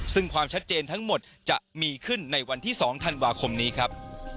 ซึ่งความชัดเจนทั้งหมดจะมีขึ้นในวันที่๒ธันวาคมนี้ครับ